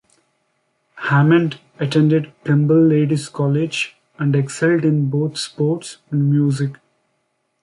Hammond attended Pymble Ladies' College and excelled in both sports and music.